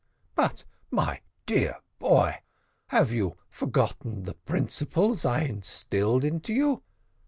"But, my dear boy, have you forgotten the principles I instilled into you?